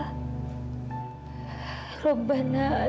apa yang harus aku lakukan ya allah